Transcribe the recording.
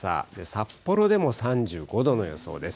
札幌でも３５度の予想です。